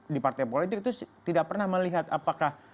di partai politik itu tidak pernah melihat apakah